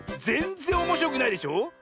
ぜんぜんおもしろくないでしょ。